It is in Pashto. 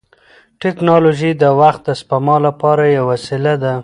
ټیکنالوژي د وخت د سپما لپاره یوه وسیله ده.